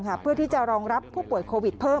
ขยายเตียงเพื่อที่จะรองรับผู้ป่วยโควิดเพิ่ม